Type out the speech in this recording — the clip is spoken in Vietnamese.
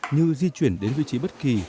như di chuyển đến vị trí bất kỳ